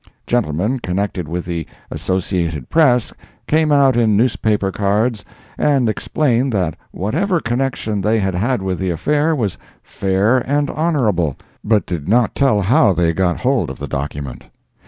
Gentlemen connected with the Associated Press came out in newspaper cards and explained that whatever connection they had had with the affair was fair and honorable—but did not tell how they got hold of the document.